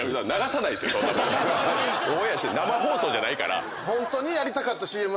オンエア生放送じゃないから。